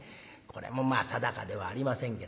これもまあ定かではありませんけれどもね。